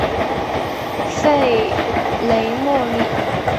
弗雷默里。